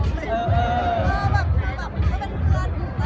น้ารักนะคะ